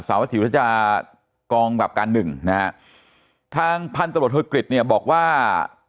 สารวัติศิลป์จะกองกับการหนึ่งนะฮะทางพันธุ์ตำรวจฮศิลป์เนี่ยบอกว่า